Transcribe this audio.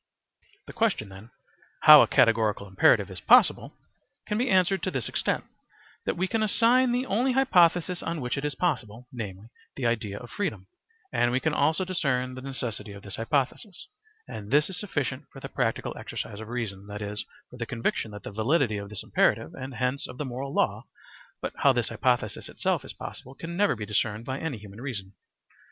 The question then, "How a categorical imperative is possible," can be answered to this extent, that we can assign the only hypothesis on which it is possible, namely, the idea of freedom; and we can also discern the necessity of this hypothesis, and this is sufficient for the practical exercise of reason, that is, for the conviction of the validity of this imperative, and hence of the moral law; but how this hypothesis itself is possible can never be discerned by any human reason.